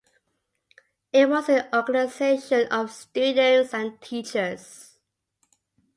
It was an organization of students and teachers.